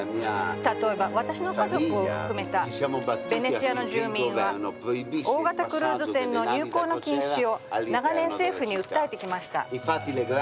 例えば、私の家族を含めたベネチアの住人は大型クルーズ船の入港の禁止を長年、政府に訴えてきました。